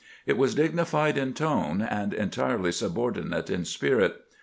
It was dignified in tone, and entirely subordinate in spirit.